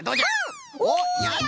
おやった！